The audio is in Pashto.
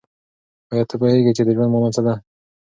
آیا ته پوهېږې چې د ژوند مانا څه ده؟